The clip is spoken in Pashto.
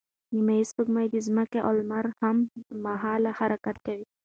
نیمه سپوږمۍ د ځمکې او لمر سره هممهاله حرکت کوي.